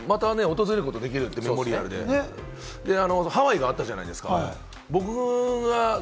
また訪れることができるっていうので、メモリアルでハワイあったじゃないですか？